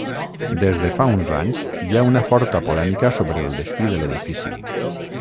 Des de fa uns anys hi ha una forta polèmica sobre el destí de l'edifici.